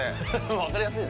分かりやすいね。